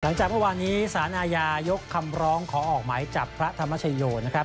หลังจากเมื่อวานนี้สารอาญายกคำร้องขอออกหมายจับพระธรรมชโยนะครับ